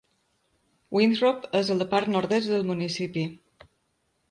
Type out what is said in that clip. Winthrop és a la part nord-est del municipi.